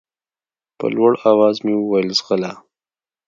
په لوړ اواز مې وويل ځغله.